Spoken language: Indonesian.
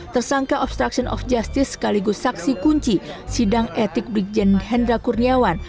tersangka obstruction of justice sekaligus saksi kunci sidang etik brigjen hendra kurniawan